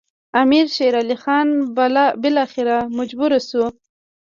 امیر شېر علي خان بالاخره مجبور شو.